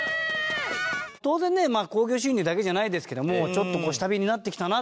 当然ね興行収入だけじゃないですけどもちょっと下火になってきたな。